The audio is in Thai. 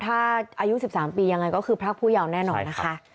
ถ้าอายุ๑๓ปียังไงก็คือพรากผู้ยาวแน่นอนนะคะ